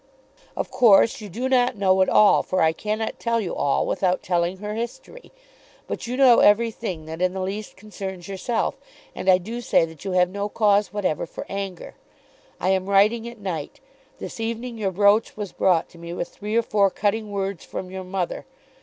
Of course you do not know it all, for I cannot tell you all without telling her history. But you know everything that in the least concerns yourself, and I do say that you have no cause whatever for anger. I am writing at night. This evening your brooch was brought to me with three or four cutting words from your mother.